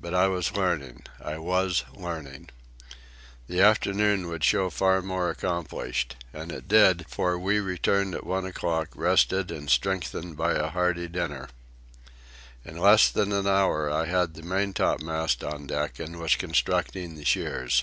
But I was learning, I was learning. The afternoon would show far more accomplished. And it did; for we returned at one o'clock, rested and strengthened by a hearty dinner. In less than an hour I had the maintopmast on deck and was constructing the shears.